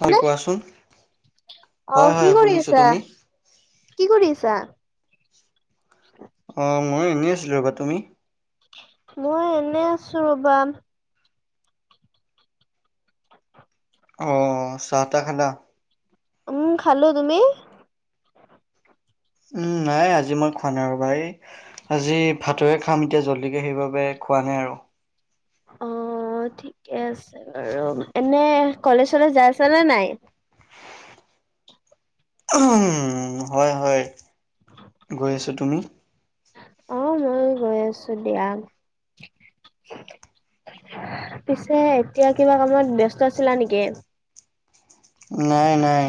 হয়, কোৱাচোন। হয় অঁ' হয় কি কৰি শুনিছো আছা? তুমি কি কৰি আছা? অঁ' ময়ো এনেই আছিলোঁ ৰ'বা, তুমি? মই এনে আছো ৰবা। অঁ চাহটাহ খালা? উম খালো, তুমি? উম' নাই আজি মই খোৱা নাই ৰবা, এই- আজি ভাটৱে খাম এতিয়া জল্দিকে সেইবাবে খোৱা নাই আৰু। অঁ' ঠিকে আছে বাৰু, এনেই কলেজ চলেজ যায় আছা নে নাই। উম' হয় হয়' গৈ আছো, তুমি? অঁ' মই গৈ আছো দিয়া। পিছে এতিয়া কিবা কামত ব্যস্ত আছিলা নেকি? নাই নাই।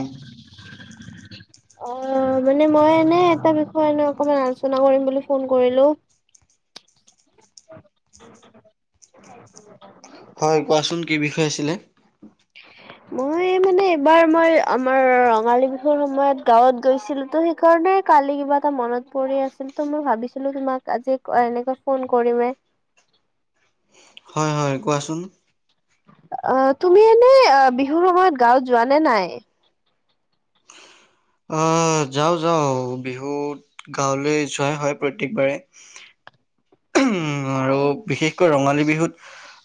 অঁ' মানে মই এনেই এটা বিষয়লৈ অকমান আলোচনা কৰিম বুলি ফোন কৰিলো। হয় কোৱাচোন কি বিষয় আছিলে? [unintelligible] মই মানে এইবাৰ মই আমাৰ ৰঙালী বিহুৰ সময়ত গাঁৱত গৈছিলো। তাতে সেইকাৰণে কালি কিবা এটা মনত পৰি আছিল। ত মই ভাবিছিলো তুমাক আজি এনেকৈ ফোন কৰিম। হয় হয়। কোৱাচোন অ তুমি এনে অ বিহুৰ সময়ত গাঁৱত যোৱা নে নাই? আহ যাও যাওঁ বিহুত গাঁৱলৈ যোৱাই হয় প্ৰত্যেকবাৰে। উম আৰু অ', বিশেষকৈ ৰঙালী বিহুত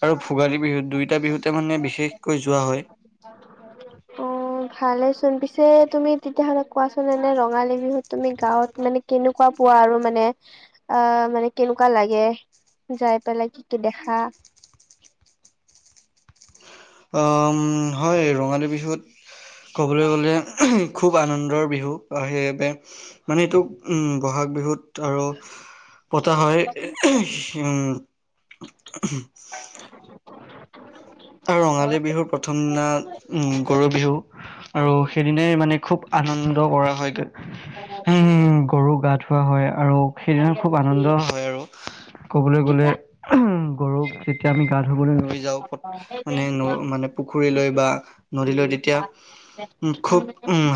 আৰু ভোগালী বিহুত দুই টা বিহুতে মানে বিশেষকৈ যোৱা হয়। [unintelligible] অ ভালে চোন। পিছে তুমি তেতিয়াহ'লে কোৱাচোন এনে ৰঙালী বিহুত তুমি গাঁৱত মানে কেনেকুৱা পোৱা আৰু মানে অ মানে কেনেকুৱা লাগে যাই পেলাই? কি কি দেখা? অ হয় ৰঙালী বিহুত ক'বলৈ গ'লে খুব আনন্দৰ বিহু। সেইবাবে মানে এইটো উম বহাগ বিহুত ধৰক পতা হয়, উম আৰু ৰঙালী বিহুৰ প্ৰথম দিনা উম গৰু বিহু। আৰু সেইদিনাই মানে খুব আনন্দ কৰা হয়গৈ। উম গৰু গা ধৱা হয় আৰু সেইদিনা খুব আনন্দ হয় আৰু। কবলৈ গ'লে উ গৰুক যেতিয়া আমি গা ধুবলৈ লৈ যাওঁ মানে মানে পুখুৰীলৈ বা নদীলৈ তেতিয়া খুব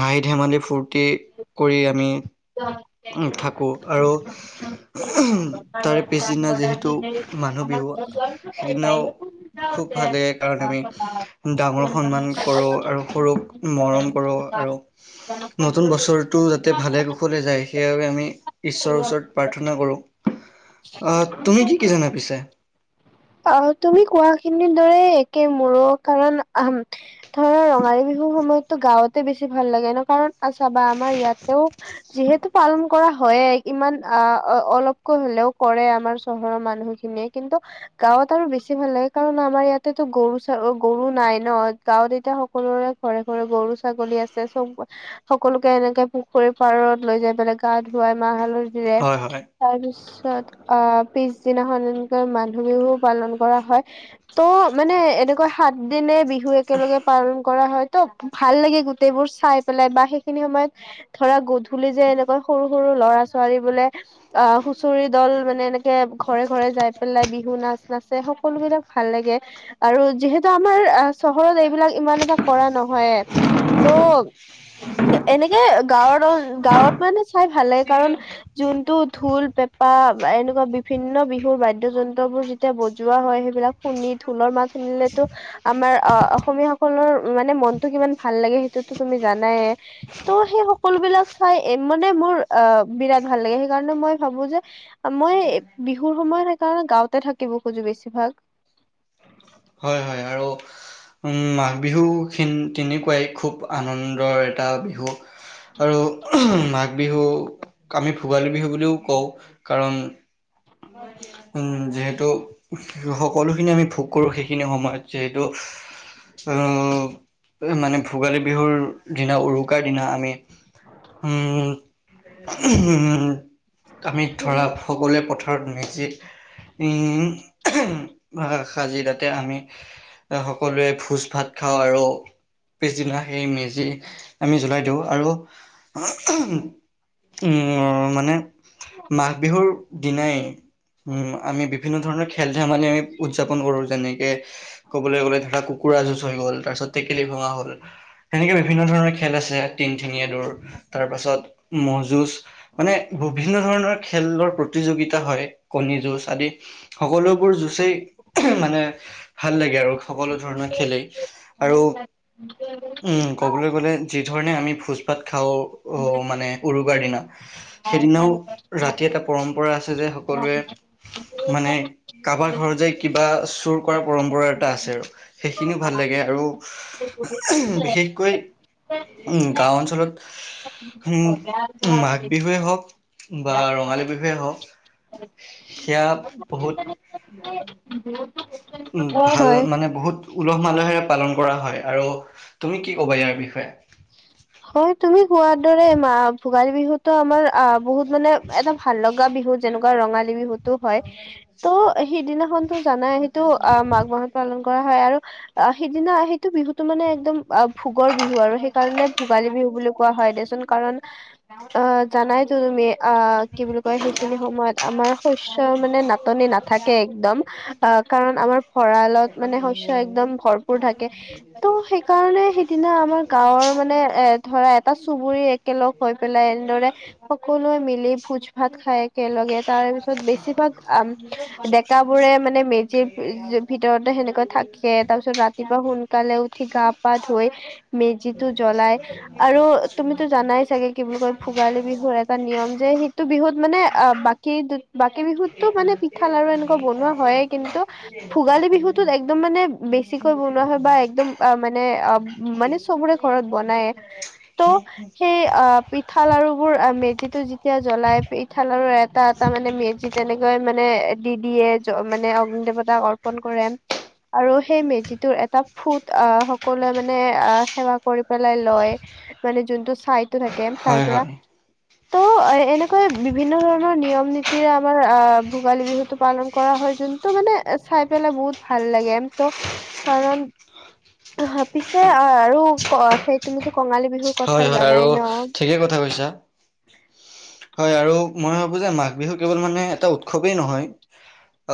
হাঁহি ধেমালি ফূৰ্তি কৰি আমি থাকো। আৰু তাৰে পিছদিনা যিহেতু মানুহ বিহু, সেইদিনাও খুব সেই কাৰণে আমি ডাঙৰক সন্মান কৰো, আৰু সৰুক মৰম কৰো, আৰু নতুন বছৰটো যাতে ভালে কুশলে যায় সেইবাবে আমি ঈশ্বৰৰ ওচৰত প্ৰাৰ্থনা কৰো। আহ তুমি কি কি জানা পিছে? অ তুমি কোৱাখিনিৰ দৰে একে মোৰো, কাৰণ ধৰা ৰঙালী বিহুৰ সময়তো গাওঁতে বেছি ভাল লাগে এনেক, কাৰণ আছ বা আমাৰ ইয়াতে যিহেতু পালন কৰা হয়ে, ইমান আ অলপকৈ হ'লেও কৰে আমাৰ চহৰৰ মানুহখিনিয়ে। কিন্তু গাঁৱত আৰু বেছি ভাল লাগে। কাৰণ আমাৰ ইয়াতেতো গৰু চ গৰু নাই ন? গাঁৱত এতিয়া সকলোৰে ঘৰে ঘৰে গৰু ছাগলী আছে, চব সকলোকে এনেকে পুখুৰীৰ পাৰত লৈ যাই পেলাই গা ধুৱাই, মাহ হালধী ৰে হয়, হয়, তাৰ পিছত অ পিছদিনাখন এনেকে মান বিহু পালন কৰা হয়। ত' মানে এনেকুৱা সাত দিনে বিহু একেলগে পালন কৰা হয়। ত ভাল লাগে গোটেইবোৰ চাই পেলাই বা সেইখিনি সময়ত ধৰা গধূলি যে এনেকুৱা সৰু সৰু ল'ৰা ছোৱালী বোলে অ' হুঁচৰি দল মানে এনেকে ঘৰে ঘৰে যাই পেলাই বি বিহু নাচ নাচে সকলো বিলাক ভাল লাগে। আৰু যিহেতু আমাৰ চহৰত এইবিলাক ইমান এটা কৰা নহয়। ত' এনেকে গাঁৱত অ গাঁৱত মানে চাই ভাল লাগে, কাৰণ যোনটো ঢোল, পেঁপা বা এনেকুৱা বিভিন্ন বিহুৰ বাদ্য যন্ত্ৰ এই বোৰ যেতিয়া বজোৱা হয়। সেইবিলাক শুনি ঢোৰ মাত শুনিলেতো আমাৰ অসমীয়াাসকলৰ মানে মনতটো কিমান ভাল লাগে সেইটোতো তুমি জানায়ে ত' সেই সকলো বিলাক চাই মানে মোৰ আহ বিৰাট ভাল লাগে। সেইকাৰণে মই ভাবো যে? মই বিহুৰ সময়ত সেইকাৰণে গাঁওঁতে থাকিব খোজো বেছিভাগ। হয় হয। আৰু? মাঘ বিহুখিন তেনেকুৱাই খুব আনন্দৰ এটা বিহু। আৰু মাঘ বিহুক আমি ভোগালী বিহু বুলিও কওঁ। কাৰণ? উম যিহেতু সকলোখিনি আমি ভোগ কৰোঁ সেইখিনি সময়ত যিহেতু? আহ মানে ভোগালী বিহুৰ দিনা, উৰুকাৰ দিনা, আমি আমি ধৰা সকলোৱে পথাৰত মজিত সাজি তাতে আমি সকলোৱে ভোজ ভাত খাওঁ। আৰু? পিছদিনা সেই মেজি আমি জ্বলাই দিওঁ আৰু? মানে? মাঘ বিহুৰ দিনাই উম আমি বিভিন্ন ধৰণৰ খেল ধেমালি আমি উদযাপন কৰো। যেনেকে ক'বলৈ গ'লে ধৰা কুকুৰা যুঁজ হৈ গ'ল তাৰপিছত টেকেলি ভঙা হ'ল। তেনেকৈ বিভিন্ন ধৰণৰ খেল আছে টিংঠিঙীয়া দৌৰ তাৰপাছত ম'হ যুঁজ। মানে বিভিন্ন ধৰণৰ খেলৰ প্ৰতিযোগিতা হয় কণী যুঁজ আদি, সকলো োৰ যুঁচই মানে ভাল লাগে আৰু সকলো ধৰণৰ খেলেই আৰু? উম কবলৈ গ'লে যি ধৰণে আমি ভোজ ভাত খাওঁ। অ মানে উৰুকাৰ দিনা। সেইদিনাও ৰাতি এটা পৰম্পৰা আছে যে সকলোৱে? মানে কাৰাবাৰ ঘৰত যায়। কিবা চোৰ কৰা পৰম্পৰা এটা আছে আৰু সেইখিনিও ভাল লাগে আৰু? ব বিশেষকৈ গাঁও অঞ্চলত? উম মাঘ বিহুৱে হওক। বা ৰঙালী বিহুৱে হওক সেয়া বহুত উম ভাল হয়। মানে? বহুত উলহ মালহেৰে পালন কৰা হয় আৰু তুমি কি ক'বা ইয়াৰ বিষয়ে? হয় তুমি কোৱাৰ দৰে ভোগালী বিহুতো আমাৰ অ বহুত? মানে এটা ভাল লগা বিহু। যেনেকুৱা ৰঙালী বিহুতো হয়। ত সিদিনাখনতো জানাই সেইটো অ' মাঘ মাহত পালন কৰা হয়। আৰু অ সেইদিনা সেইটো বিহুতো মানে একদম অ ভোগৰ বিহু আৰু। সেই কাৰণে ভোগালী বিহু বুলি কোৱা হয় দেচোন কাৰণ অ জানাইতো তুমি আহ কি বুলি কয় সেইখিনি সময়ত আমাৰ শস্্যৰ মানে নাটনি নাট। থাকে একদম আহ কাৰণ আমাৰ, ভৰালত মানে শস্্য একদম ভৰপৰ থাকে ত' সেইকাৰণে সেইদিনা আমাৰ। ৰ মানে এ ধৰা এটা চুবুৰ, একেলগ হৈ পেলাই এনেদৰে সকলোৱে মিলি ভোজ ভাত খাই। একেলগে তাৰ পিছত বেছিভাগ ডেক বোৰে মানে মেজিৰ উ ভিতৰতে সেনেককা থাকে তাৰ পিছত ৰাতিপুৱা সোনকালে উঠি গা পা ধুই মেজিতটো জ্বলাই। আৰু তুমিতো জানাই চাগে কি বুলি কয় ভোগালী বিহুৰ এটা নিয়ম যে, টো বিহুত মানে অ বাকী? বাকী বিহুতো মানে পিঠা লাৰু এনেকোৱা বনোৱা হয়ে কিন্তু ভোগালী বিহুটোত একদম মানে বে ছিকৈ বনোৱা হয় বা একদম অ মানে অ মানে চক বোৰে ঘৰত বনায় ত সেই আ পিঠা লাৰুবোৰ আ মেজিটো এতিয়া জ্বলাই ইঠাল আৰু এটা এটা মানে মেজি তেনেকে কি কয় মানে এটি দিয়ে মানে অগ্নি দেৱতাক অৰ্পন কৰে আৰু সেই মেজিটোৰ এটা ফুট আহ সকলোৱে মানে আহ সেৱা কৰি পেলাই লয় মানে যোনটো চাইতো থাকে তাৰ হয় পৰা হয় ত অ এনেকৈ বিভিন্ন ধৰণৰ নিয়ম নীতিৰে আমাৰ আহ ভোগালী বিহুটো পালন কৰা হয় যোন ত মানে চাই পেলাই বহুত ভাল লাগে ত কাৰণ অ পিছে আৰু অ সেই তুমিতো কঙালী বিহুৰ কথা জানাই ন ঠিকেই কথা কৈছা হয় আৰু মই ভাবো যে মাঘ বিহু কেৱল মানে এটা উৎসৱেই নহয়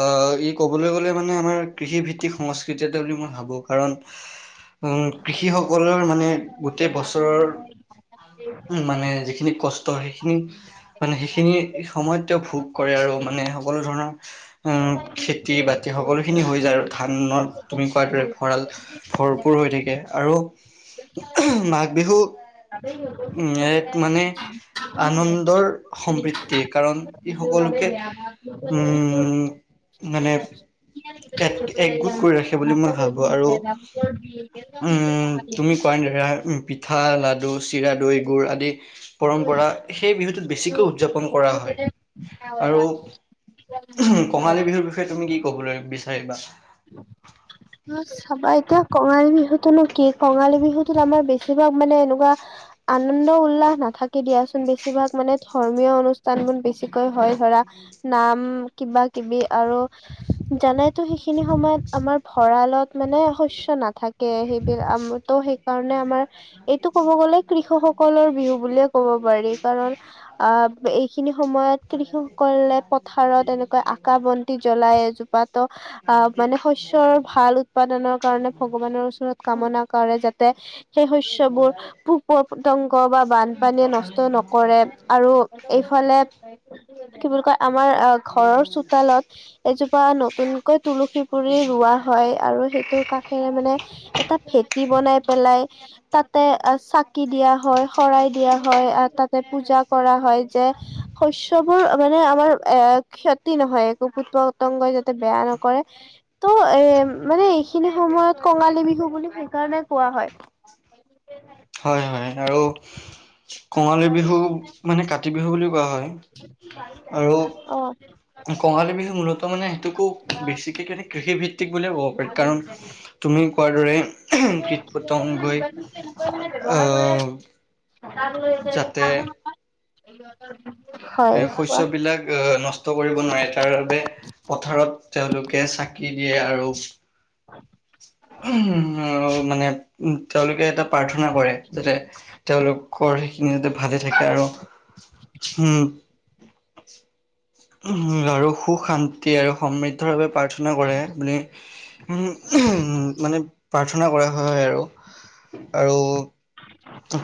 অ ই ক'বলৈ গ'লে মানে আমাৰ কৃষিভিত্তিক সংস্কৃতি এটা বুলি মই ভাবো কাৰণ [inaudible] উম কৃষি সকলৰ মানে গোটেই বছৰৰ উ মানে যিখিনি কষ্ট সেইখিনি মানে সেইখিনি সময়ত তেওঁ ভোগ কৰে আৰু মানে সকলো ধৰণৰ খেতি বা তি সকলোখিনি হৈ যায় আৰু ধানত তুমি কোৱাৰ দৰে ভঁৰাল ভৰপূৰ হৈ থাকে আৰু মাঘ বিহু উম এক মানে আনন্দৰ সম্প্ৰীতি কাৰণ ই সকলোকে উম মানে এক একগোট কৰি ৰাখে বুলি মই ভাবো আৰু উম তুমি কোৱা ন ধৰা পিঠা লাডু চিৰা দৈ গুৰ আদি পৰম্পৰা সেই বিহুটোত বেছিকৈ উদযাপন কৰা হয় হয় আৰু বাত সি কঙালী বিহুৰ বিষয়ে তুমি কি কবলৈ বিচাৰিবা অ চাবা এতিয়া কঙালী বিহুটোনো কি কঙালী বিহুটোত আমাৰ বে কিবা মানে এনেকোৱা আনন্দ উল্লাস নাথাকে দিয়াচোন বেছিভাগ মানে ধৰ্মীয় অনুষ্ঠান বোৰ বেছিকৈ হয় ধৰা নাম কিবা কিবি আৰু জানাইতো সেইখিনি সময়ত আমাৰ ভঁৰালত মানে শস্য নাথাকে সেইবিলাক তো সেই কাৰণে আমাৰ এইটো ক'ব গ'লে কৃষকসকলৰ বিহু বুলিয়ে কব পাৰি কাৰণ আহ এইখিনি সময়ত কৃষকসকলে পথাৰত এনেকৈ আকা বন্তি জ্বলাই এ পাতো আহ মানে শস্যৰ ভাল উৎপাদনৰ কাৰণে ভগৱানৰ ওচৰত কামনা কৰে যাতে সেই শস্যবোৰ পোক পতংগ বা বানপানীয়ে নষ্ট নকৰে আৰু এইফালে কি বুলি কয় আমাৰ অ ঘৰৰ চোতালত এজোপা নতুন তুলসী পুলি ৰোৱা হয় আৰু সেই টোৰ কাষেৰে মানে এটা ভেটি বনাই পেলাই তাতে অ চাকি দিয়া হয় শৰাই দিয়া হয় আহ তাতে পূজা কৰা হয় যে শস্যবোৰ মানে আমাৰ এ ক্ষতি নহয় একো পুত পতংগই যাতে বেয়া ন কৰে ত এ মানে এইখিনি সময়ত কঙালী বিহু বুলি সেইকাৰণে কোৱা হয় হয় হয় আৰু কঙালী বিহু, মানে কাতি বিহু বুলি কোৱা হয়। আৰু অ কঙালী বিহু মূলতঃ মানে সেইটোকো, বেছিকে কিনে কৃষি ভিত্তিক বুলিয়ে কব কাৰণ তুমি কোৱাৰ দৰে কীট পতংগই, আহ যাতে [unintelligible] [unintelligible] এ কোৱা শস্যবিলাক আহ নষ্ট ট কৰিব নোৱাৰে, তাৰ বাবে পথাৰত তেওঁলোকে চাকি দিয়ে। আৰু হয় [inaudible] উহুম মানে উ তেওঁলোকে এটা প্ৰাৰ্থনা কৰে যাতে, তেওঁলোকৰ সেইখিনি যাতে ভালে থাকে। আৰু উম। উহুম আৰু সুখ শান্তি আৰু সমৃ দ্ধ বাবে প্ৰাৰ্থনা কৰে। মানে উম উহুম মানে, প্ৰাৰ্থনা কৰা হয় আৰু। আৰু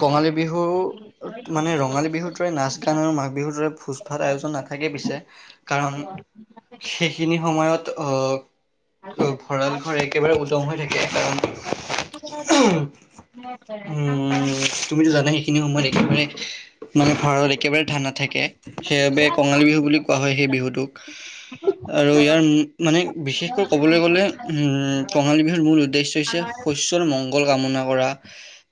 কঙালী বিহু মানে ৰঙালী বিহুতৰে নাচ কাৰণ মাঘ বিহুৰ দৰে ভোজ ভাত আয়োজন নাথাকেই পিছে। কাৰণ, সেইখিনি সময়ত আহ, ভঁৰাল ঘৰ একেবাৰে উদং হৈ থাকে। কাৰণ, উহুম অ [unintelligible] তুমিতো জানাই সেইখিনি সময়ত একেবাৰে, মানে ভঁৰালত একেবাৰে ধান নাথাকে। সেইবাবে কঙালী বিহু বুলি কোৱা হয় সেই বিহুটোক। উ [unintelligible] আৰু ইয়াৰ মানে বিশেষকৈ ক'বলৈ গ'লে উম কঙালী বিহুৰ মূল উদ্দেশ্য হৈছে শস্যৰ মংগল কামনা কৰা,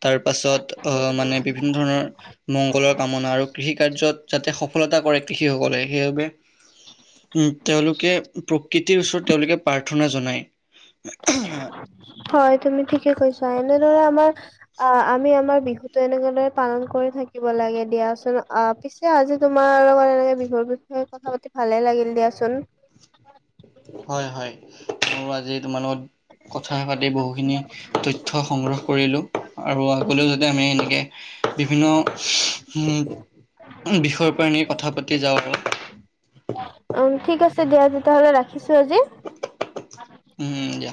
তাৰ পাছত আ মানে বিভিন্ন ধৰণৰ মংগলৰ কামনা, আৰু কৃষি কাৰ্যত যাতে সফলতা কৰে কৃষিসকলে সেইবাবে উম তেওঁলোকে প্ৰকৃতিৰ ওচৰত তেওঁলোকে প্ৰাৰ্থনা জনায়। হয় তুমি ঠিকে কৈছা। এনেদৰে আমাৰ অ আমি আমাৰ বিহুতো এনেকেদৰে পালন কৰি থাকিব লাগে দিয়াচোন। আ পি চে আজি তোমাৰ লগত এনেকে বিহুৰ বিষয়ে কথা পাতি ভালে লাগিল দিয়াচোন। হয় হয় মোৰ আজি তোমাৰ লগত কথা পাতি বহুখিনি তথ্য সংগ্ৰহ কৰিলো। আৰু আগলৈও যাতে আমি এনেকে, বিভিন্ন উম বিষয় পৰা এনে কথা পাতি যাওঁ আৰু। উম, ঠিক আছে দিয়া তেতিয়াহ'লে ৰাখিছো আজি। উম দিয়া।